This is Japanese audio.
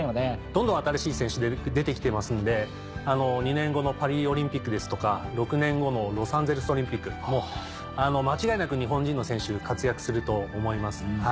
どんどん新しい選手出て来てますんで２年後のパリオリンピックですとか６年後のロサンゼルスオリンピックも間違いなく日本人の選手活躍すると思います。